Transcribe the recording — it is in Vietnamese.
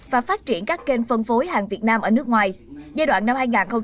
và phát triển các kênh phân phối hàng việt nam ở nước ngoài giai đoạn năm hai nghìn hai mươi hai nghìn hai mươi